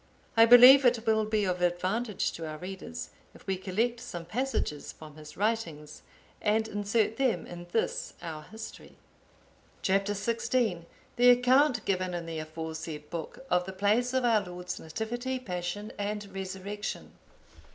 I believe it will be of advantage to our readers if we collect some passages from his writings, and insert them in this our History.(860) Chap. XVI. The account given in the aforesaid book of the place of our Lord's Nativity, Passion, and Resurrection.